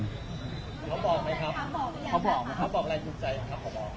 เขาบอกไหมครับเขาบอกอะไรจูงใจครับ